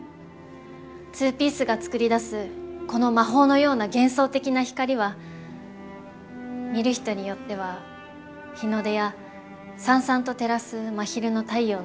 ツーピースがつくり出すこの魔法のような幻想的な光は見る人によっては日の出や燦々と照らす真昼の太陽のように。